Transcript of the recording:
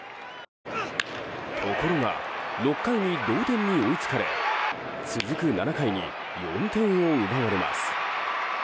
ところが６回に同点に追いつかれ続く７回に４点を奪われます。